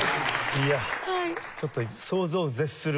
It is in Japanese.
いやちょっと想像を絶する。